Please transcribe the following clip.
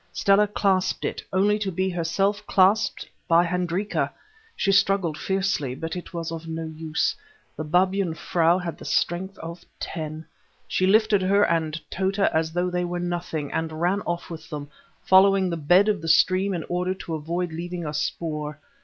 Stella clasped it, only to be herself clasped by Hendrika. She struggled fiercely, but it was of no use—the Babyan frau had the strength of ten. She lifted her and Tota as though they were nothing, and ran off with them, following the bed of the stream in order to avoid leaving a spoor.